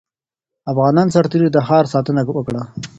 افغان سرتېري د ښار ساتنه وکړه.